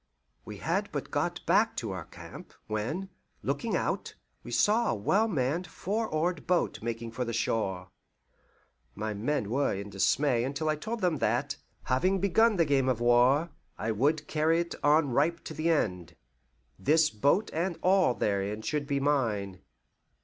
We had but got back to our camp, when, looking out, we saw a well manned four oared boat making for the shore. My men were in dismay until I told them that, having begun the game of war, I would carry it on to the ripe end. This boat and all therein should be mine.